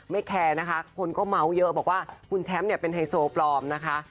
แคร์นะคะคนก็เมาส์เยอะบอกว่าคุณแชมป์เนี่ยเป็นไฮโซปลอมนะคะ